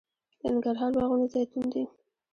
د ننګرهار باغونه زیتون دي